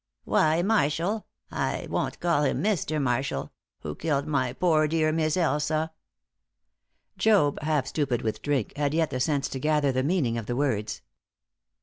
"Why, Marshall I won't call him 'Mister' Marshall who killed my poor dear Miss Elsa." Job, half stupid with drink, had yet the sense to gather the meaning of the words.